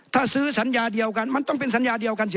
ถ้าซื้อสัญญาเดียวกันมันต้องเป็นสัญญาเดียวกันสิ